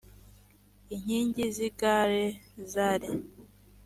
inkingi z’igare zari